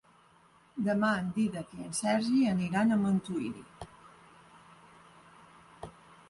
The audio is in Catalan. Demà en Dídac i en Sergi aniran a Montuïri.